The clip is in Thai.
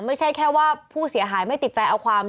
ไม่ใช่แค่ว่าผู้เสียหายไม่ติดใจเอาความ